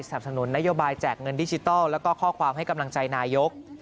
สนุนนโยบายแจกเงินดิจิทัลแล้วก็ข้อความให้กำลังใจนายก